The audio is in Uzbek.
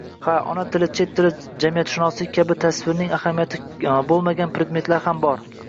«Ha, ona tili, chet tili, jamiyatshunoslik kabi tasvirning ahamiyati bo‘lmagan predmetlar ham bor.